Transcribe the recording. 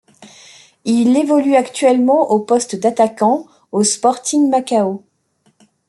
Il évolue actuellement au poste d'attaquant au Sporting Macau.